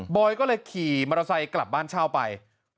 อยก็เลยขี่มอเตอร์ไซค์กลับบ้านเช่าไป